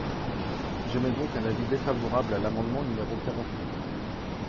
J’émets donc un avis défavorable à l’amendement numéro quarante-huit.